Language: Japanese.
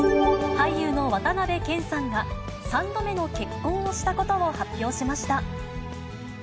俳優の渡辺謙さんが、３度目の結婚をしたことを発表しました。